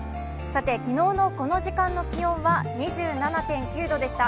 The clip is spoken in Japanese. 昨日のこの時間の気温は２７．９度でした。